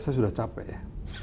saya sudah capek ya